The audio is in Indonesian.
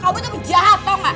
kamu tuh jahat tau gak